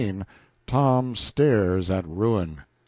Tom Stares at Ruin.